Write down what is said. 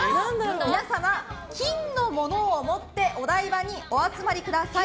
皆様、金のものを持ってお台場にお集まりください！